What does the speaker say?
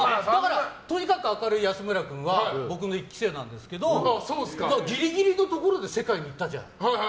とにかく明るい安村君は僕の１期生なんですけどだからギリギリのところで世界に行ったじゃん。